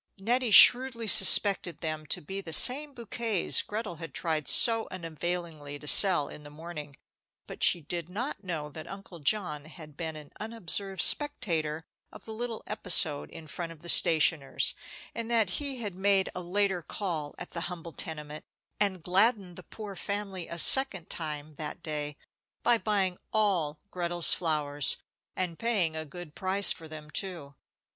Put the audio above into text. Nettie shrewdly suspected them to be the same bouquets Gretel had tried so unavailingly to sell in the morning; but she did not know that Uncle John had been an unobserved spectator of the little episode in front of the stationer's, and that he had made a later call at the humble tenement, and gladdened the poor family a second time that day by buying all Gretel's flowers, and paying a good price for them, too.